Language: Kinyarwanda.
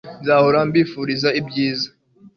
Nzahora mbifuriza ibyiza